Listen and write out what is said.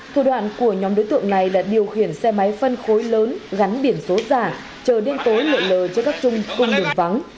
thủ đoạn của nhóm đối tượng này là điều khiển xe máy phân khối lớn gắn biển số giả chờ điê tối nợ lờ cho các chung cung đường vắng